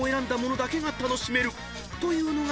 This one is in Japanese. ［というのが